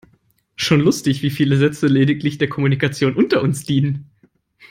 Schon lustig, wie viele Sätze lediglich der Kommunikation unter uns dienen.